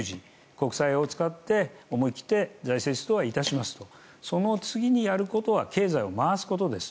国債を使って思い切って財政出動致しますとその次にやることは経済を回すことです。